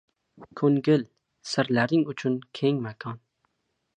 • Ko‘ngil — sirlaring uchun keng makon.